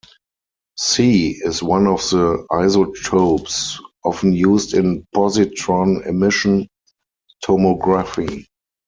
C is one of the isotopes often used in positron emission tomography.